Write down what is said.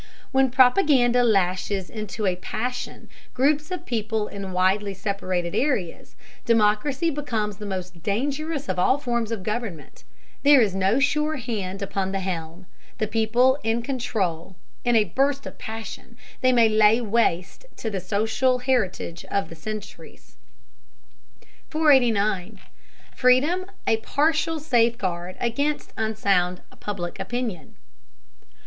When propaganda lashes into a passion groups of people in widely separated areas, democracy becomes the most dangerous of all forms of government: there is no sure hand upon the helm, the people control en masse, in a burst of passion they may lay waste the social heritage of centuries. 489. FREEDOM A PARTIAL SAFEGUARD AGAINST UNSOUND PUBLIC OPINION.